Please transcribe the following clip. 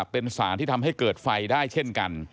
เป็นสารที่ทำให้เกิดไฟได้เช่นกัน